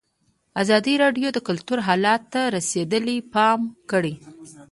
ازادي راډیو د کلتور حالت ته رسېدلي پام کړی.